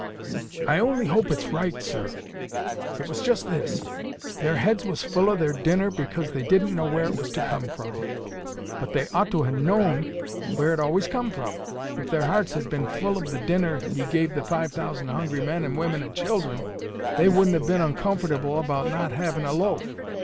'" "I only hope I'm right, sir. It was just this: their heads was full of their dinner because they didn't know where it was to come from. But they ought to ha' known where it always come from. If their hearts had been full of the dinner He gave the five thousand hungry men and women and children, they wouldn't have been uncomfortable about not having a loaf.